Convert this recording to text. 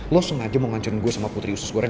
dia sengaja mau ngajarin gue sama putri usus goreng